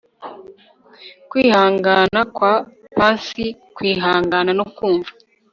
kwihangana kwa pansy kwihangana no kumva